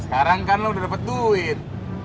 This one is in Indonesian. sekarang kan lo udah dapet duit